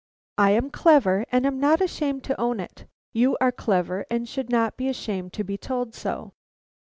I am clever and am not ashamed to own it. You are clever and should not be ashamed to be told so.